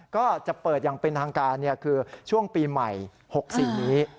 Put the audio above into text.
ก็จะเปิดอย่างเป็นทางการคือช่วงปีใหม่๖๔นี้